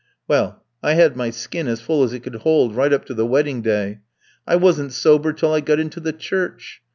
Well, I had my skin as full as it could hold right up to the wedding day. I wasn't sober till I got into the church.